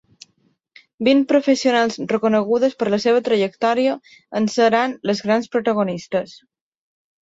Vint professionals reconegudes per la seva trajectòria en seran les grans protagonistes.